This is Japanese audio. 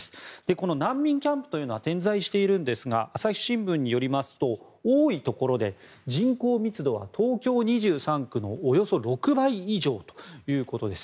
この難民キャンプというのは点在しているんですが朝日新聞によりますと多いところで人口密度は東京２３区のおよそ６倍以上ということです。